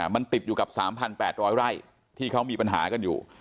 มันติดอยู่กับ๓๘๐๐ไร่ที่เขามีปัญหากันอยู่